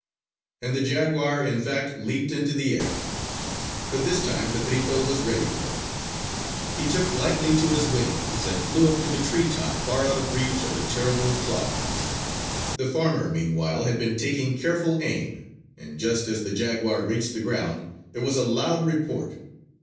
And the jaguar, in fact, leaped into the air. But this time Pedrito was ready for him. He took lightly to his wings and flew up to the tree top far out of reach of the terrible claws. The farmer, meanwhile, had been taking careful aim; and just as the jaguar reached the ground, there was a loud report.